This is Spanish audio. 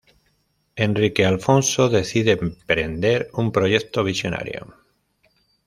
Enrique Alfonso decide emprender un proyecto visionario.